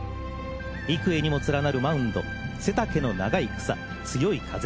幾重にもつらなるマウンド背丈の長い草、強い風。